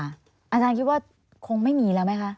อาจารย์คิดว่าคงไม่มีแล้วไหมคะ